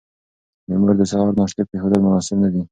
د مور د سهار ناشتې پرېښودل مناسب نه دي.